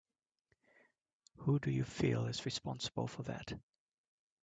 Who do you feel is responsible for that?